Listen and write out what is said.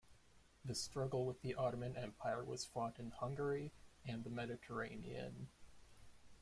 The struggle with the Ottoman Empire was fought in Hungary and the Mediterranean.